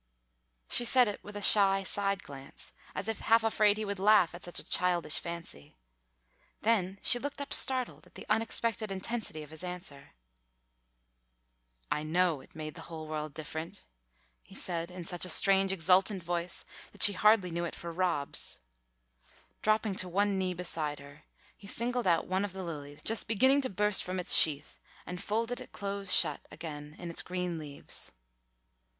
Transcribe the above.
She said it with a shy side glance as if half afraid he would laugh at such a childish fancy. Then she looked up startled, at the unexpected intensity of his answer. "I know it made the whole world different," he said in such a strange exultant voice that she hardly knew it for Rob's. Dropping to one knee beside her he singled out one of the lilies just beginning to burst from its sheath, and folded it close shut again in its green leaves.